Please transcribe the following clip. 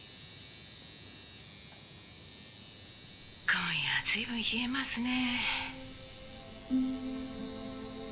「今夜は随分冷えますね」